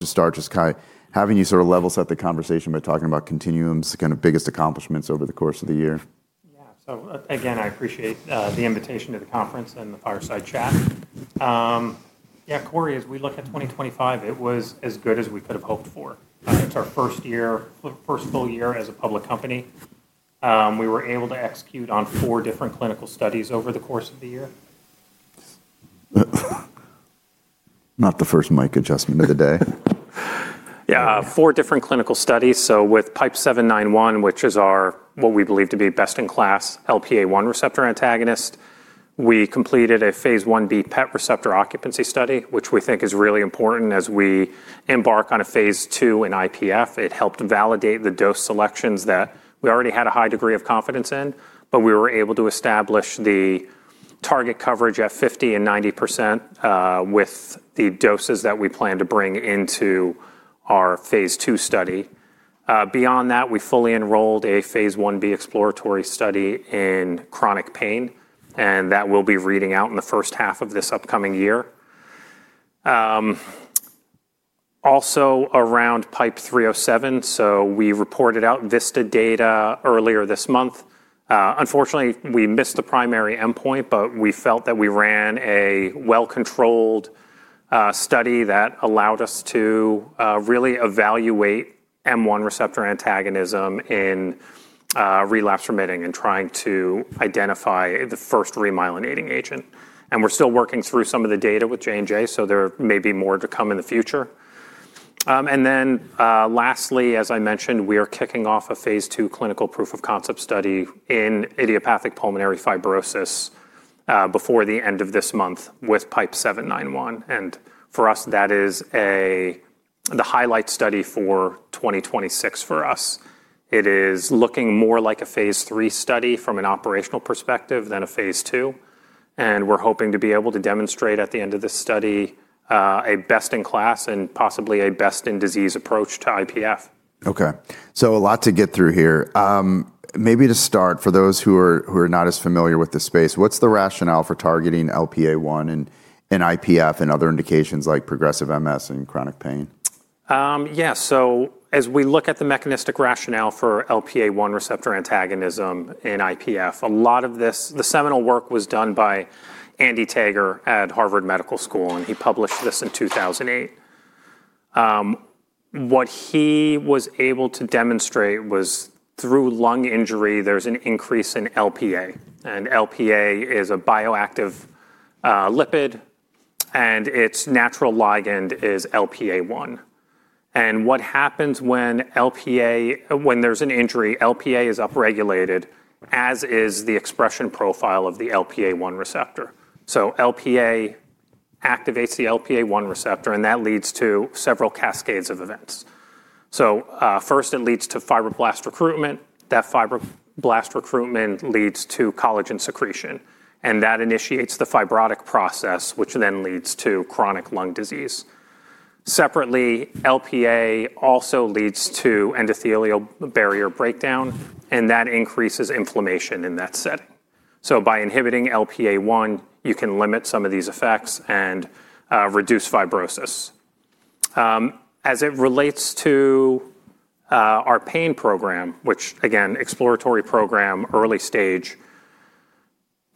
To start, just kind of having you sort of level set the conversation by talking about Contineum's kind of biggest accomplishments over the course of the year. Yeah, so again, I appreciate the invitation to the conference and the fireside chat. Yeah, Corey, as we look at 2025, it was as good as we could have hoped for. It's our first full year as a public company. We were able to execute on four different clinical studies over the course of the year. Not the first mic adjustment of the day. Yeah, four different clinical studies. So with PIPE-791, which is our what we believe to be best-in-class LPA1 receptor antagonist, we completed a phase 1b PET receptor occupancy study, which we think is really important as we embark on a phase two in IPF. It helped validate the dose selections that we already had a high degree of confidence in, but we were able to establish the target coverage at 50% and 90% with the doses that we plan to bring into our phase two study. Beyond that, we fully enrolled a phase 1b exploratory study in chronic pain, and that will be reading out in the first half of this upcoming year. Also, around PIPE-307, so we reported out VISTA data earlier this month. Unfortunately, we missed the primary endpoint, but we felt that we ran a well-controlled study that allowed us to really evaluate M1 receptor antagonism in relapsing-remitting and trying to identify the first remyelinating agent. And we're still working through some of the data with J&J, so there may be more to come in the future. And then lastly, as I mentioned, we are kicking off a phase two clinical proof of concept study in idiopathic pulmonary fibrosis before the end of this month with PIPE-791. And for us, that is the highlight study for 2026 for us. It is looking more like a phase three study from an operational perspective than a phase two. And we're hoping to be able to demonstrate at the end of this study a best-in-class and possibly a best-in-disease approach to IPF. Okay, so a lot to get through here. Maybe to start, for those who are not as familiar with the space, what's the rationale for targeting LPA1 in IPF and other indications like progressive MS and chronic pain? Yeah, so as we look at the mechanistic rationale for LPA1 receptor antagonism in IPF, a lot of this, the seminal work was done by Andy Tager at Harvard Medical School, and he published this in 2008. What he was able to demonstrate was through lung injury, there's an increase in LPA, and LPA is a bioactive lipid, and its natural ligand is LPA1, and what happens when there's an injury, LPA is upregulated, as is the expression profile of the LPA1 receptor, so LPA activates the LPA1 receptor, and that leads to several cascades of events, so first, it leads to fibroblast recruitment. That fibroblast recruitment leads to collagen secretion, and that initiates the fibrotic process, which then leads to chronic lung disease. Separately, LPA also leads to endothelial barrier breakdown, and that increases inflammation in that setting. So by inhibiting LPA1, you can limit some of these effects and reduce fibrosis. As it relates to our pain program, which, again, exploratory program, early stage,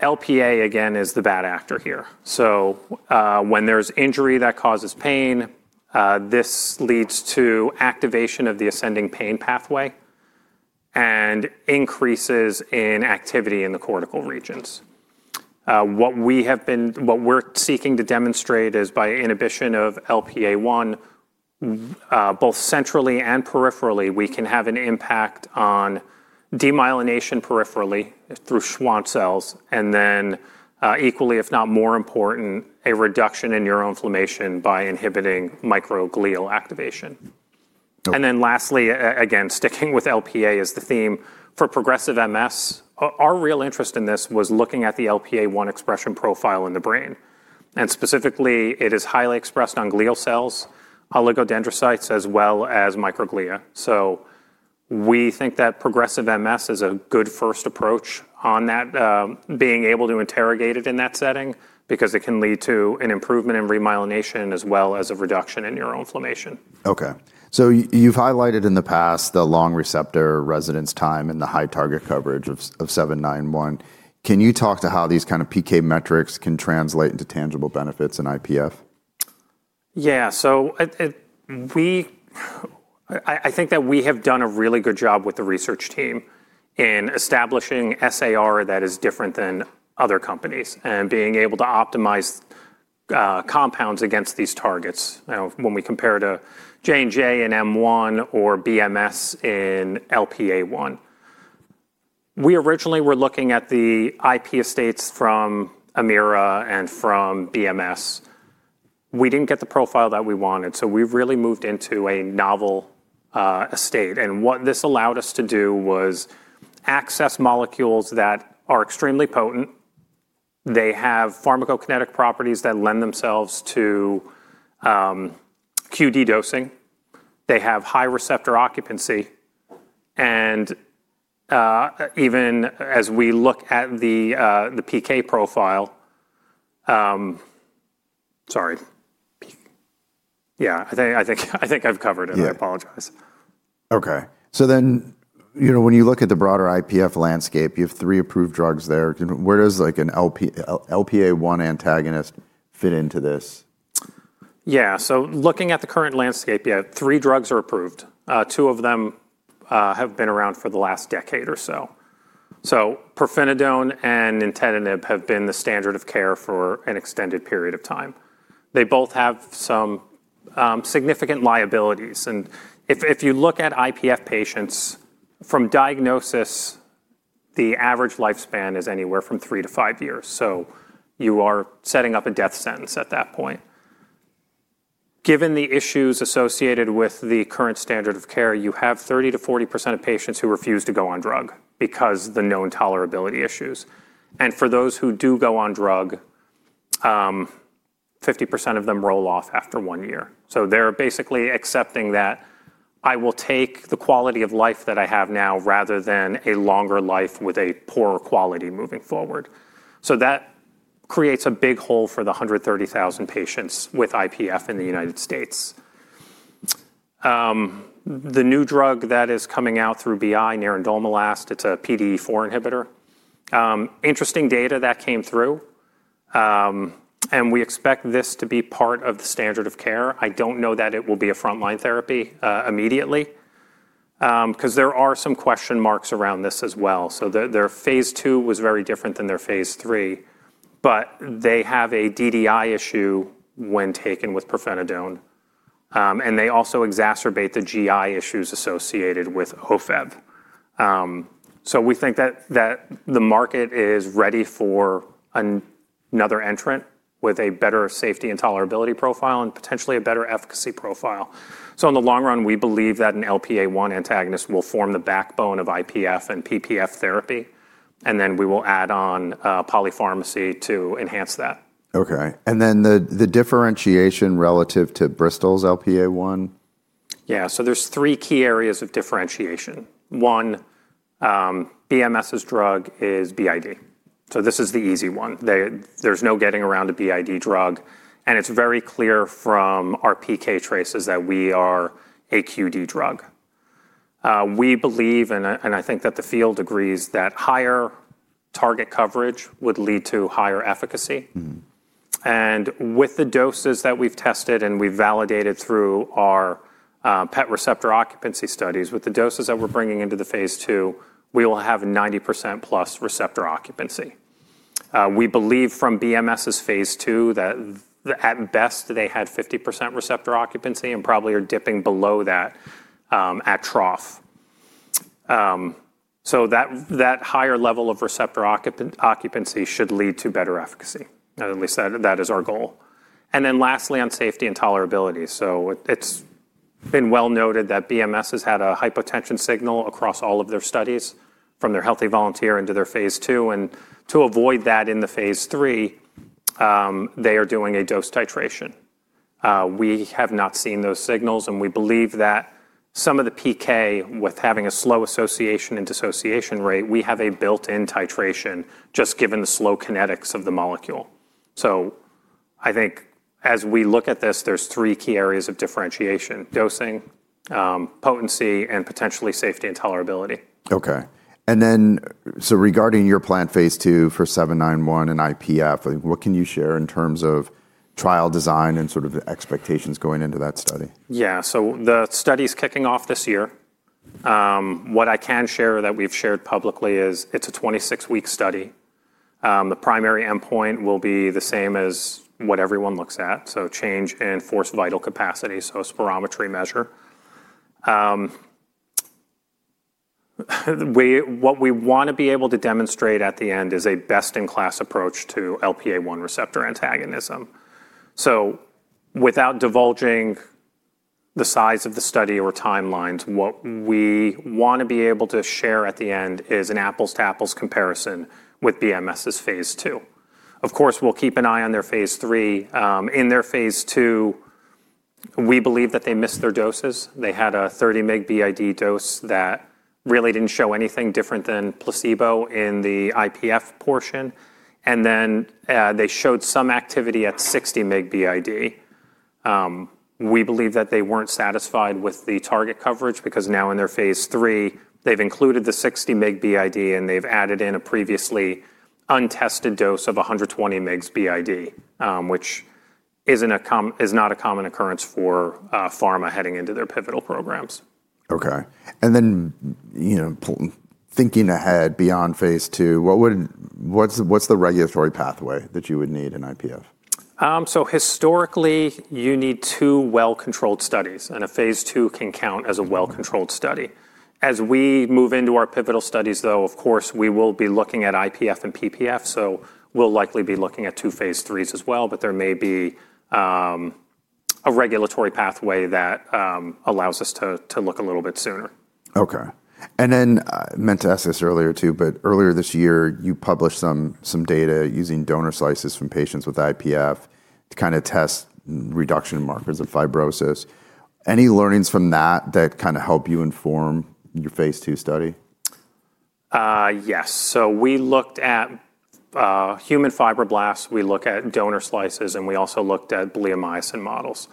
LPA again is the bad actor here. So when there's injury that causes pain, this leads to activation of the ascending pain pathway and increases in activity in the cortical regions. What we're seeking to demonstrate is by inhibition of LPA1, both centrally and peripherally, we can have an impact on demyelination peripherally through Schwann cells, and then equally, if not more important, a reduction in neuroinflammation by inhibiting microglial activation. And then lastly, again, sticking with LPA as the theme for progressive MS, our real interest in this was looking at the LPA1 expression profile in the brain. And specifically, it is highly expressed on glial cells, oligodendrocytes, as well as microglia. So we think that progressive MS is a good first approach on that, being able to interrogate it in that setting because it can lead to an improvement in remyelination as well as a reduction in neuroinflammation. Okay, so you've highlighted in the past the long receptor residence time and the high target coverage of 791. Can you talk to how these kind of PK metrics can translate into tangible benefits in IPF? Yeah, so I think that we have done a really good job with the research team in establishing SAR that is different than other companies and being able to optimize compounds against these targets when we compare to J&J in M1 or BMS in LPA1. We originally were looking at the IP estates from Amira and from BMS. We didn't get the profile that we wanted, so we really moved into a novel estate. And what this allowed us to do was access molecules that are extremely potent. They have pharmacokinetic properties that lend themselves to QD dosing. They have high receptor occupancy. And even as we look at the PK profile, sorry, yeah, I think I've covered it. I apologize. Okay, so then when you look at the broader IPF landscape, you have three approved drugs there. Where does an LPA1 antagonist fit into this? Yeah, so looking at the current landscape, yeah, three drugs are approved. Two of them have been around for the last decade or so. So pirfenidone and nintedanib have been the standard of care for an extended period of time. They both have some significant liabilities. And if you look at IPF patients from diagnosis, the average lifespan is anywhere from three to five years. So you are setting up a death sentence at that point. Given the issues associated with the current standard of care, you have 30%-40% of patients who refuse to go on drug because of the known tolerability issues. And for those who do go on drug, 50% of them roll off after one year. So they're basically accepting that I will take the quality of life that I have now rather than a longer life with a poorer quality moving forward. So that creates a big hole for the 130,000 patients with IPF in the United States. The new drug that is coming out through BI, nerandomilast, it's a PDE4B inhibitor. Interesting data that came through, and we expect this to be part of the standard of care. I don't know that it will be a frontline therapy immediately because there are some question marks around this as well. So their phase two was very different than their phase three, but they have a DDI issue when taken with pirfenidone, and they also exacerbate the GI issues associated with Ofev. So we think that the market is ready for another entrant with a better safety and tolerability profile and potentially a better efficacy profile. So in the long run, we believe that an LPA1 antagonist will form the backbone of IPF and PPF therapy, and then we will add on polypharmacy to enhance that. Okay, and then the differentiation relative to Bristol's LPA1? Yeah, so there's three key areas of differentiation. One, BMS's drug is BID. So this is the easy one. There's no getting around a BID drug, and it's very clear from our PK traces that we are a QD drug. We believe, and I think that the field agrees, that higher target coverage would lead to higher efficacy. And with the doses that we've tested and we've validated through our PET receptor occupancy studies, with the doses that we're bringing into the phase two, we will have 90% plus receptor occupancy. We believe from BMS's phase two that at best they had 50% receptor occupancy and probably are dipping below that at trough. So that higher level of receptor occupancy should lead to better efficacy. At least that is our goal. And then lastly, on safety and tolerability. So it's been well noted that BMS has had a hypotension signal across all of their studies from their healthy volunteer into their phase two. And to avoid that in the phase three, they are doing a dose titration. We have not seen those signals, and we believe that some of the PK with having a slow association and dissociation rate, we have a built-in titration just given the slow kinetics of the molecule. So I think as we look at this, there's three key areas of differentiation: dosing, potency, and potentially safety and tolerability. Okay, and then so regarding your planned phase two for 791 and IPF, what can you share in terms of trial design and sort of expectations going into that study? Yeah, so the study is kicking off this year. What I can share that we've shared publicly is it's a 26-week study. The primary endpoint will be the same as what everyone looks at, so change in forced vital capacity, so a spirometry measure. What we want to be able to demonstrate at the end is a best-in-class approach to LPA1 receptor antagonism. So without divulging the size of the study or timelines, what we want to be able to share at the end is an apples-to-apples comparison with BMS's phase two. Of course, we'll keep an eye on their phase three. In their phase two, we believe that they missed their doses. They had a 30 mg BID dose that really didn't show anything different than placebo in the IPF portion. And then they showed some activity at 60 mg BID. We believe that they weren't satisfied with the target coverage because now in their phase three, they've included the 60-mg BID and they've added in a previously untested dose of 120-mg BID, which is not a common occurrence for pharma heading into their pivotal programs. Okay, and then thinking ahead beyond phase two, what's the regulatory pathway that you would need in IPF? Historically, you need two well-controlled studies, and a phase two can count as a well-controlled study. As we move into our pivotal studies, though, of course, we will be looking at IPF and PPF, so we'll likely be looking at two phase 3s as well, but there may be a regulatory pathway that allows us to look a little bit sooner. Okay, and then meant to ask this earlier too, but earlier this year, you published some data using donor slices from patients with IPF to kind of test reduction markers of fibrosis. Any learnings from that that kind of help you inform your phase two study? Yes, so we looked at human fibroblasts, we look at donor slices, and we also looked at bleomycin models.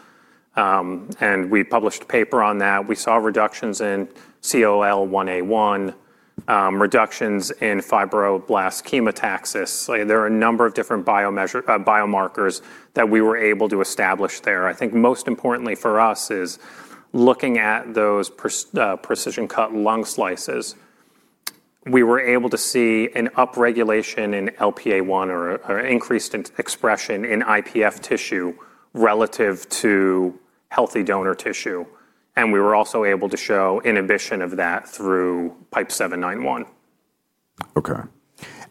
And we published a paper on that. We saw reductions in COL1A1, reductions in fibroblast chemotaxis. There are a number of different biomarkers that we were able to establish there. I think most importantly for us is looking at those precision-cut lung slices. We were able to see an upregulation in LPA1 or an increased expression in IPF tissue relative to healthy donor tissue. And we were also able to show inhibition of that through PIPE-791. Okay,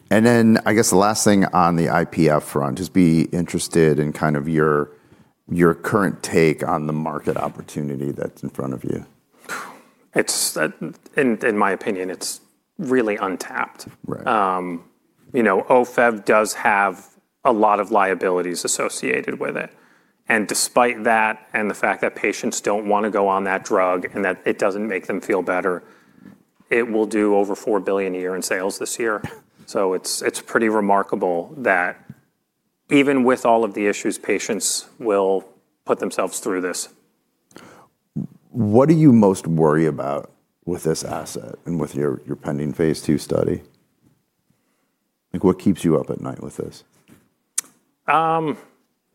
and then I guess the last thing on the IPF front, just be interested in kind of your current take on the market opportunity that's in front of you? In my opinion, it's really untapped. Ofev does have a lot of liabilities associated with it, and despite that and the fact that patients don't want to go on that drug and that it doesn't make them feel better, it will do over $4 billion a year in sales this year, so it's pretty remarkable that even with all of the issues, patients will put themselves through this. What do you most worry about with this asset and with your pending phase two study? What keeps you up at night with this?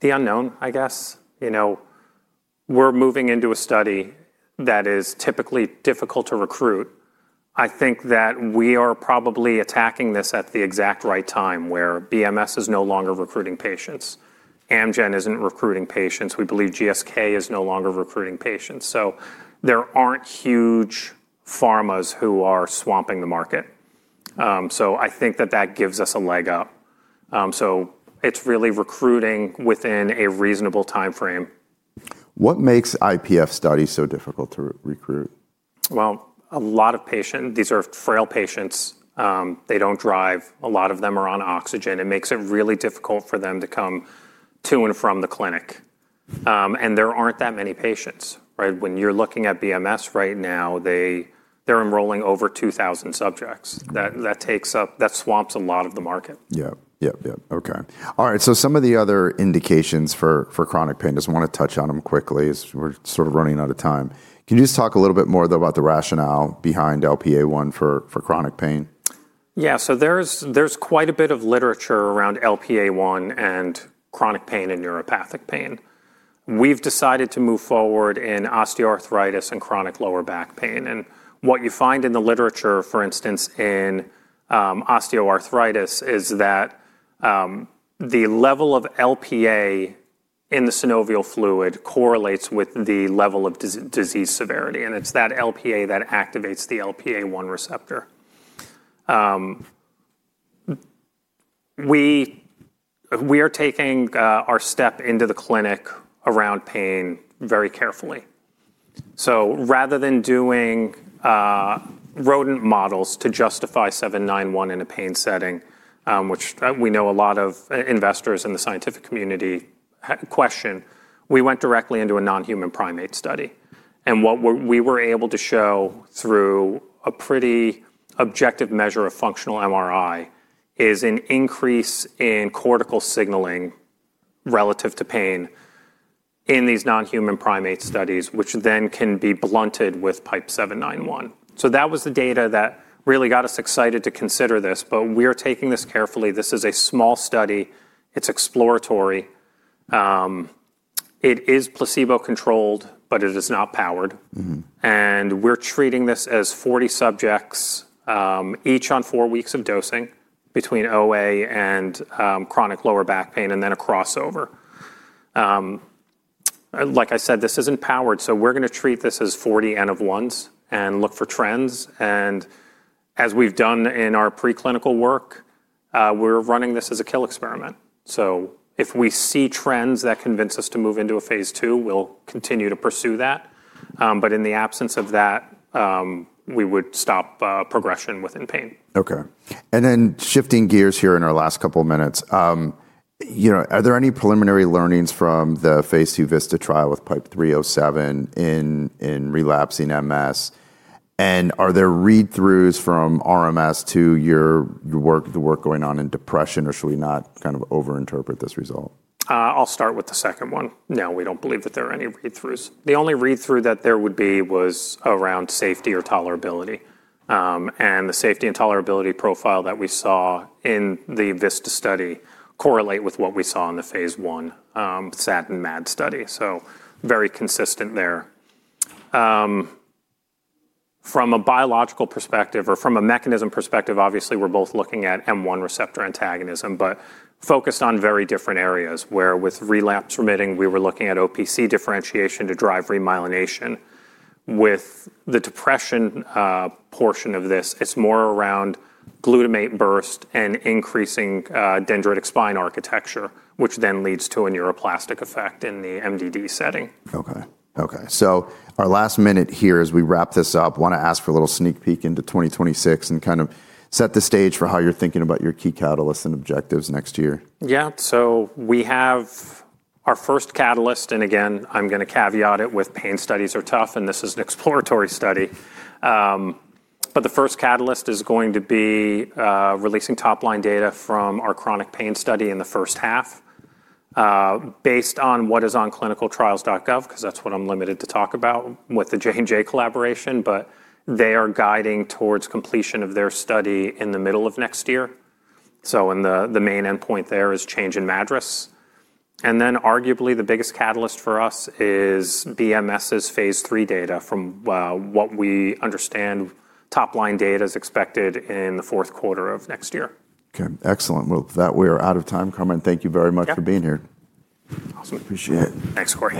The unknown, I guess. We're moving into a study that is typically difficult to recruit. I think that we are probably attacking this at the exact right time where BMS is no longer recruiting patients. Amgen isn't recruiting patients. We believe GSK is no longer recruiting patients. So there aren't huge pharmas who are swamping the market. So I think that that gives us a leg up. So it's really recruiting within a reasonable timeframe. What makes IPF studies so difficult to recruit? A lot of patients, these are frail patients. They don't drive. A lot of them are on oxygen. It makes it really difficult for them to come to and from the clinic. And there aren't that many patients. When you're looking at BMS right now, they're enrolling over 2,000 subjects. That swamps a lot of the market. Yep, yep, yep. Okay, all right, so some of the other indications for chronic pain, just want to touch on them quickly as we're sort of running out of time. Can you just talk a little bit more about the rationale behind LPA1 for chronic pain? Yeah, so there's quite a bit of literature around LPA1 and chronic pain and neuropathic pain. We've decided to move forward in osteoarthritis and chronic lower back pain. And what you find in the literature, for instance, in osteoarthritis is that the level of LPA in the synovial fluid correlates with the level of disease severity. And it's that LPA that activates the LPA1 receptor. We are taking our step into the clinic around pain very carefully. So rather than doing rodent models to justify 791 in a pain setting, which we know a lot of investors in the scientific community question, we went directly into a non-human primate study. And what we were able to show through a pretty objective measure of functional MRI is an increase in cortical signaling relative to pain in these non-human primate studies, which then can be blunted with PIPE-791. So that was the data that really got us excited to consider this, but we're taking this carefully. This is a small study. It's exploratory. It is placebo-controlled, but it is not powered. And we're treating this as 40 subjects, each on four weeks of dosing between OA and chronic lower back pain and then a crossover. Like I said, this isn't powered, so we're going to treat this as 40 N-of-1s and look for trends. And as we've done in our preclinical work, we're running this as a kill experiment. So if we see trends that convince us to move into a phase two, we'll continue to pursue that. But in the absence of that, we would stop progression within pain. Okay, and then shifting gears here in our last couple of minutes, are there any preliminary learnings from the phase two VISTA trial with PIPE-307 in relapsing MS? And are there read-throughs from RMS to the work going on in depression, or should we not kind of over-interpret this result? I'll start with the second one. No, we don't believe that there are any read-throughs. The only read-through that there would be was around safety or tolerability. And the safety and tolerability profile that we saw in the VISTA study correlates with what we saw in the phase one SAD and MAD study. So very consistent there. From a biological perspective or from a mechanism perspective, obviously we're both looking at M1 receptor antagonism, but focused on very different areas where with relapsing-remitting, we were looking at OPC differentiation to drive remyelination. With the depression portion of this, it's more around glutamate burst and increasing dendritic spine architecture, which then leads to a neuroplastic effect in the MDD setting. Okay, okay, so our last minute here as we wrap this up, I want to ask for a little sneak peek into 2026 and kind of set the stage for how you're thinking about your key catalysts and objectives next year. Yeah, so we have our first catalyst, and again, I'm going to caveat it with pain studies are tough, and this is an exploratory study. But the first catalyst is going to be releasing top-line data from our chronic pain study in the first half based on what is on ClinicalTrials.gov, because that's what I'm limited to talk about with the J&J collaboration, but they are guiding towards completion of their study in the middle of next year. So the main endpoint there is change in MADRS. And then arguably the biggest catalyst for us is BMS's phase three data from what we understand top-line data is expected in the fourth quarter of next year. Okay, excellent. Well, that way we're out of time, Carmine. Thank you very much for being here. Awesome. Appreciate it. Thanks, Corey.